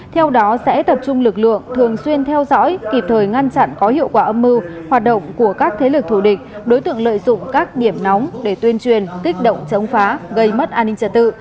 theo đó sẽ tập trung lực lượng thường xuyên theo dõi kịp thời ngăn chặn có hiệu quả âm mưu hoạt động của các thế lực thù địch đối tượng lợi dụng các điểm nóng để tuyên truyền kích động chống phá gây mất an ninh trật tự